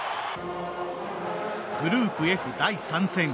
グループＦ、第３戦。